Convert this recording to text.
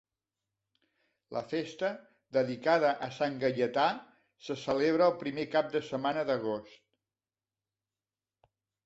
La festa, dedicada a Sant Gaietà, se celebra el primer cap de setmana d'agost.